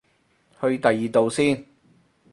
去第二度先